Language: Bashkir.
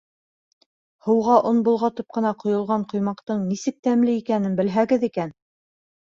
Һыуға он болғатып ҡына ҡойолған ҡоймаҡтың нисек тәмле икәнен белһәгеҙ икән...